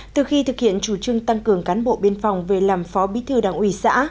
từ khi thực hiện chủ trương tăng cường cán bộ biên phòng về làm phó bí thư đảng ủy xã